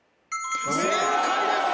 正解です！